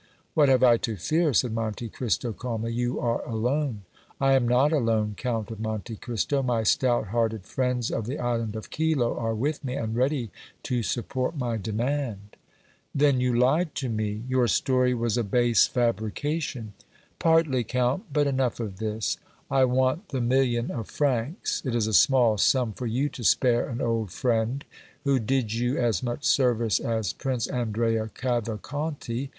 "What have I to fear?" said Monte Cristo, calmly. "You are alone." "I am not alone, Count of Monte Cristo; my stout hearted friends of the Island of Kylo are with me, and ready to support my demand!" "Then you lied to me; your story was a base fabrication." "Partly, Count; but enough of this I want the million of francs; it is a small sum for you to spare an old friend, who did you as much service as Prince Andrea Cavalcanti!